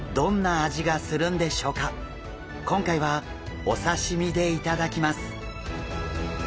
今回はお刺身で頂きます！